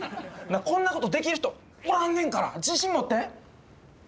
こんなことできる人おらんねんから自信持って兄ちゃん。